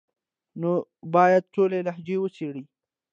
نو بايد ټولي لهجې وڅېړي،